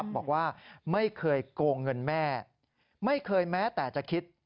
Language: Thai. บอกว่าไม่เคยโกงเงินแม่ไม่เคยแม้แต่จะคิด